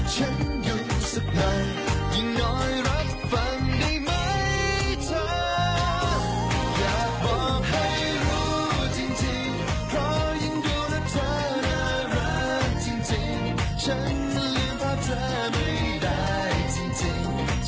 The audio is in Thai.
ฉันรักจริงฉันลืมทาเจอไม่ได้จริง